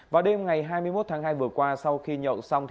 vào đêm ngày hai mươi một tháng hai vừa qua sau khi nhậu xong